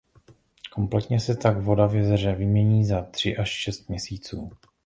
Kompletně se tak voda v jezeře vymění za tři až šest měsíců.